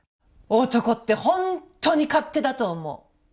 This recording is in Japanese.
男ってホントに勝手だと思う。